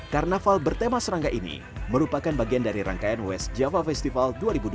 karnaval bertema serangga ini merupakan bagian dari rangkaian west java festival dua ribu dua puluh